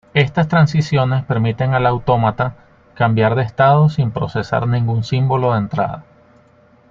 Estas transiciones permiten al autómata cambiar de estado sin procesar ningún símbolo de entrada.